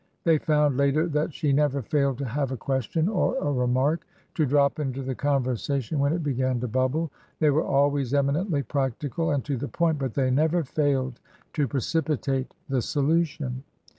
They found later that she never failed to have a ques tion or a remark to drop into the conversation when it be gan to bubble. They were always eminently practical and to the point, but they never failed to precipitate the so lution.